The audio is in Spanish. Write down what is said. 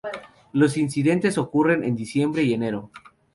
Los incidentes ocurren en diciembre y enero.